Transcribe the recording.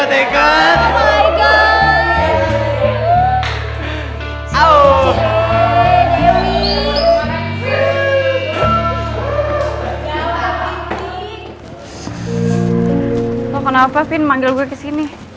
lo kenapa pin manggil gue kesini